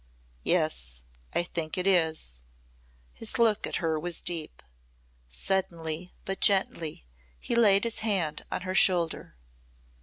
"Yes, I think it is," his look at her was deep. Suddenly but gently he laid his hand on her shoulder.